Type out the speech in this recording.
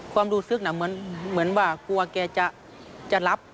ความรู้สึกน่ะเหมือนว่ากลัวแกจะรับ